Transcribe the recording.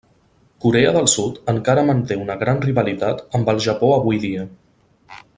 Corea del Sud encara manté una gran rivalitat amb el Japó avui dia.